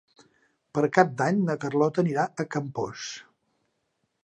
Per Cap d'Any na Carlota anirà a Campos.